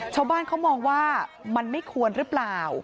ชาวบ้านเขามองว่ามันไม่ควรหรือเปล่า